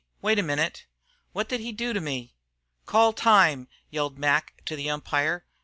Wait a minute. What did he do to me?" "Call time," yelled Mac to the umpire.